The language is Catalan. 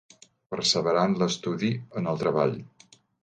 Perseverar en l'estudi, en el treball.